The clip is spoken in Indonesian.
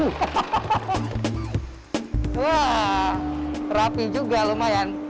wah rapi juga lumayan